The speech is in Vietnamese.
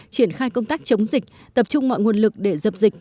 triển khai công tác chống dịch tập trung mọi nguồn lực để dập dịch